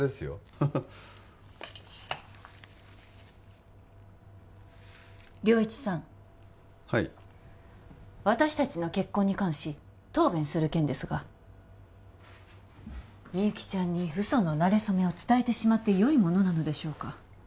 ハハ良一さんはい私達の結婚に関し答弁する件ですがみゆきちゃんに嘘のなれそめを伝えてしまってよいものなのでしょうか？